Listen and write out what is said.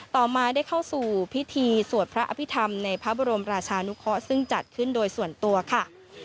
ต่อมาได้เข้าสู่พิธีสวดพระอภิษฐรรมในพระบรมราชานุเคาะซึ่งจัดขึ้นโดยส่วนตัวค่ะ